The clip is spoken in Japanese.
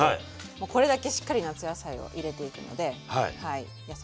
もうこれだけしっかり夏野菜を入れていくので野菜もとれます。